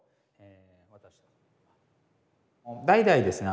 代々ですね